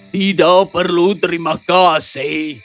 tidak perlu terima kasih